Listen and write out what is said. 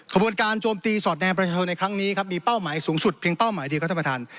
ขบวนการโจมตีสอดแนมประชาชนในครั้งนี้ครับมีเป้าหมายสูงสุดเพียงเป้าหมายเดียวครับท่านประธาน